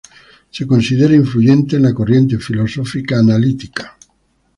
Se considera influyente en la corriente filosófica analítica.